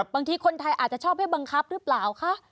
บางทีคนไทยอาจจะชอบให้บังคับหรือเปล่าคะ